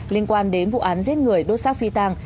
liên quan đến vụ án giết người đốt xác phi tàng